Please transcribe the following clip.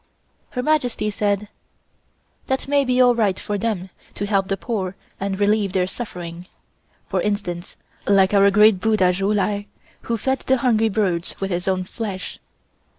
Her Majesty said: "That may be all right for them to help the poor and relieve their suffering. For instance, like our great Buddha Ju Lai, who fed the hungry birds with his own flesh.